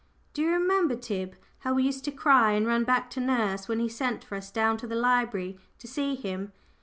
Do you remember, Tib, how we used to cry and run back to nurse when he sent for us down to the library to see him?